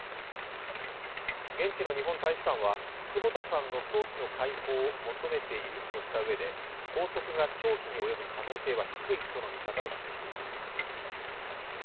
現地の日本大使館は、久保田さんの早期の解放を求めているとしたうえで拘束が長期に及ぶ可能性は低いとの見方を示しています。